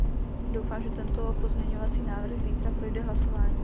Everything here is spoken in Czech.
Doufám, že tento pozměňovací návrh zítra projde hlasováním.